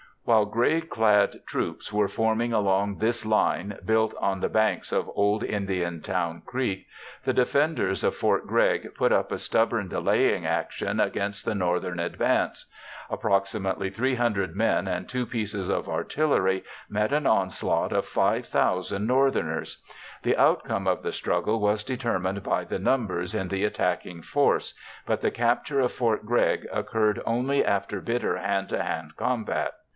While gray clad troops were forming along this line built on the banks of Old Indian Town Creek, the defenders of Fort Gregg put up a stubborn delaying action against the Northern advance. Approximately 300 men and two pieces of artillery met an onslaught of 5,000 Northerners. The outcome of the struggle was determined by the numbers in the attacking force, but the capture of Fort Gregg occurred only after bitter hand to hand combat.